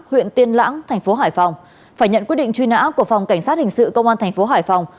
huyện tiên lãng tp hải phòng phải nhận quyết định truy nã của phòng cảnh sát hình sự công an tp hải phòng